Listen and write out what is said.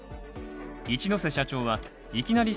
一瀬社長はいきなり！